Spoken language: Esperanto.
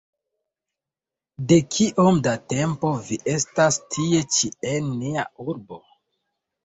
De kiom da tempo vi estas tie ĉi en nia urbo?